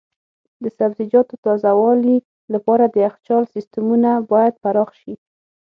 د سبزیجاتو تازه والي لپاره د یخچال سیستمونه باید پراخ شي.